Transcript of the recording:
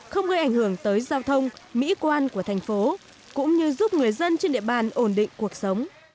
không gây ảnh hưởng tới giao thông mỹ quan của thành phố cũng như giúp người dân trên địa bàn ổn định cuộc sống